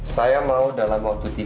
saya mau dalam waktu tiga jam